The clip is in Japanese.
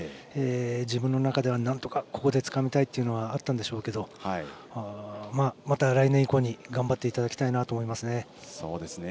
自分の中ではなんとかここでつかみたいというのがあったんでしょうけどまた来年以降に頑張っていただきたいなと思います。